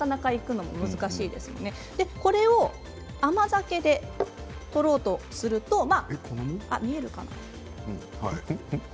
これを甘酒でとろうとすると見えてますよ。